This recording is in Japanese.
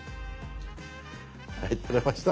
はい撮れました。